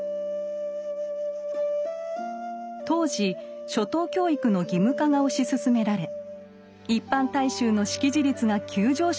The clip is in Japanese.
当時初等教育の義務化が推し進められ一般大衆の識字率が急上昇したイギリス。